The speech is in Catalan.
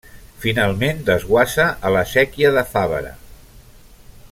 Finalment desguassa a la séquia de Favara.